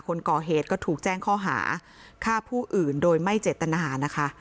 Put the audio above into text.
คนก่อเหตุก็ถูกแจ้งข้อหาฆ่าผู้อื่นโดยไม่เจตนานะคะ